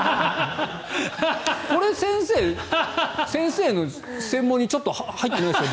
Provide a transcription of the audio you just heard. これ、先生先生の専門にちょっと入ってないですか？